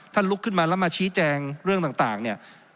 ลุกขึ้นมาแล้วมาชี้แจงเรื่องต่างเนี่ย